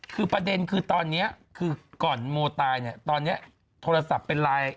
คือประเด็นคือตอนนี้คือก่อนโมตายเนี่ยตอนนี้โทรศัพท์เป็นไลน์